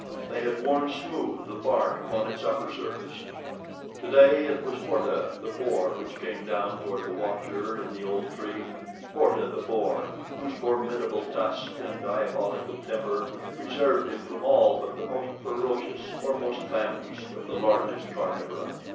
They had worn smooth the bark upon its upper surface. Today it was Horta, the boar, which came down toward the watcher in the old tree Horta, the boar, whose formidable tusks and diabolical temper preserved him from all but the most ferocious or most famished of the largest carnivora.